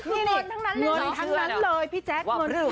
เงินทั้งนั้นเลยพี่แจ๊ค